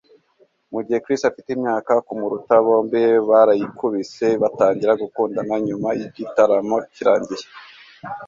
Mugihe Chris afite imyaka kumuruta, bombi barayikubise batangira gukundana nyuma yigitaramo kirangiye.